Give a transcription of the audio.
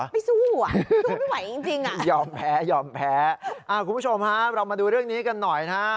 ไม่สู้อ่ะสู้ไม่ไหวจริงอ่ะยอมแพ้คุณผู้ชมฮะเรามาดูเรื่องนี้กันหน่อยนะฮะ